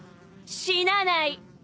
死なない。